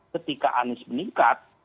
ketika anies meningkat